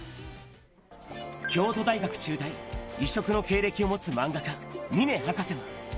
京都大学中退、異色の経歴を持つ漫画家、峰博士は。